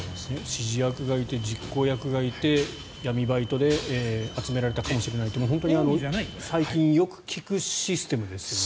指示役がいて実行役がいて闇バイトで集められた手口というのが本当に最近よく聞くシステムですよね。